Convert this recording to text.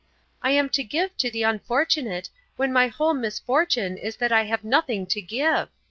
I am to give to the unfortunate, when my whole misfortune is that I have nothing to give.